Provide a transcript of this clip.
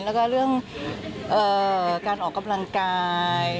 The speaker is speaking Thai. แล้วก็เรื่องการออกกำลังกาย